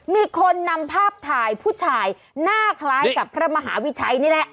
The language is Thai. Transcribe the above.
มีคนนำภาพถ่ายผู้ชายหน้าคล้ายกับพระมหาวิชัยนี่แหละ